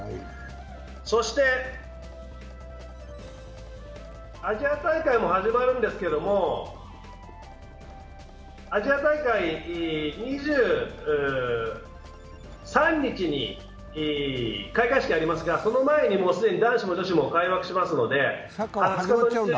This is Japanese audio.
そして、アジア大会も始まるんですけどアジア大会２３日に開会式ありますが、その前に男子も女子も開幕しますので。